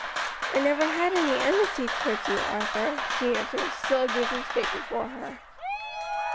"I never had any enmity towards you, Arthur," she answered, still gazing straight before her.